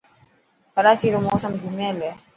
ڪراچي رو موسم گهميل هي.